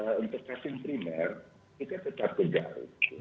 jadi untuk vaksin primer kita tetap kejar